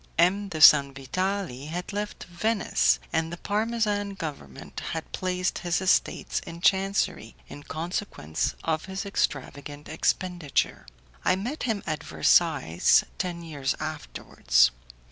M. de Sanvitali had left Venice, and the Parmesan government had placed his estates in chancery in consequence of his extravagant expenditure. I met him at Versailles ten years afterwards.